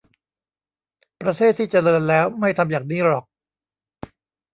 ประเทศที่เจริญแล้วไม่ทำอย่างนี้หรอก